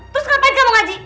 terus ngapain kamu ngaji